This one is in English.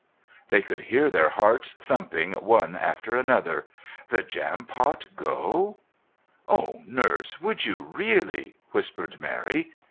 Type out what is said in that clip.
They could hear their hearts thumping one after another. The Jampot go? "Oh, Nurse, would you really?" whispered Mary.